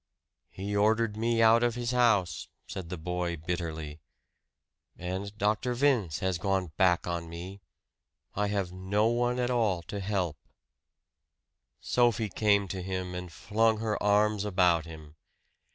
"He ordered me out of his house," said the boy bitterly. "And Dr. Vince has gone back on me I have no one at all to help." Sophie came to him and flung her arms about him.